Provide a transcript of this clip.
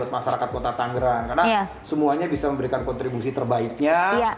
masyarakat kota tangerang karena semuanya bisa memberikan kontribusi terbaiknya